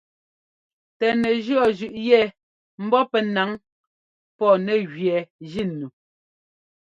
Tɛ nɛjʉɔ́ zʉꞌ yɛ mbɔ pɛ́ ńnaŋ pɔ́ nɛ gẅɛɛ jínu.